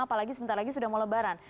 apalagi sebentar lagi sudah mau lebaran